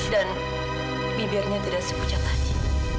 dan bibirnya tidak sepucat lagi